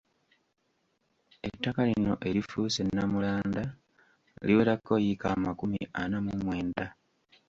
Ettaka lino erifuuse nnamulanda liwerako yiika amakumi ana mu mwenda